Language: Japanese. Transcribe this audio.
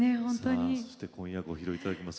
今夜ご披露いただきます